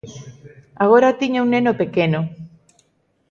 Agora tiña un neno pequeno.